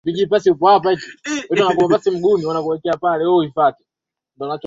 na dakika kumi na tisa na sekunde arobaini na ta